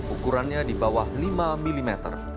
ukurannya di bawah lima mm